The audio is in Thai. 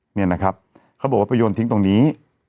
เขาบอกว่าไปยนต์ทิ้งตรงนี้